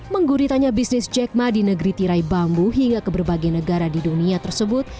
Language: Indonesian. mengguritanya bisnis jack ma di negeri tirai bambu hingga ke berbagai negara di dunia tersebut